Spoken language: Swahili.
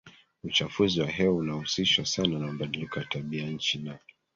uchafuzi wa hewa unahusishwa sana na mabadiliko ya tabianchi na